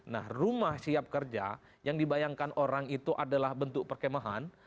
nah rumah siap kerja yang dibayangkan orang itu adalah bentuk perkemahan